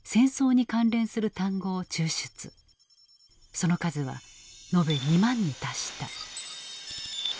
その数は述べ２万に達した。